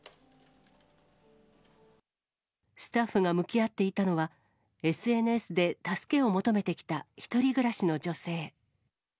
スタッフが向き合っていたのは、ＳＮＳで助けを求めてきた１人暮らしの女性。